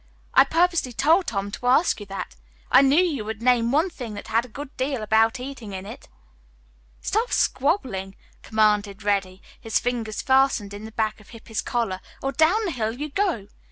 "I purposely told Tom to ask you that. I knew you'd name one that had a good deal about eating in it." "Stop squabbling," commanded Reddy, his fingers fastened in the back of Hippy's collar, "or down the hill you go.